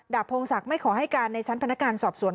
พงศักดิ์ไม่ขอให้การในชั้นพนักงานสอบสวน